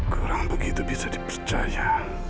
kurang begitu bisa dipercaya